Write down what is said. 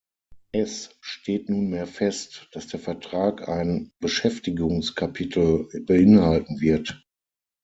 Es steht nunmehr fest, dass der Vertrag ein Beschäftigungskapitel beinhalten wird.